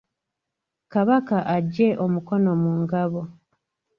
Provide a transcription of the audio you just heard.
Kabaka aggye omukono mu ngabo.